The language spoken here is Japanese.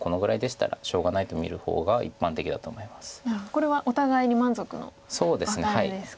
これはお互いに満足のワカレですか。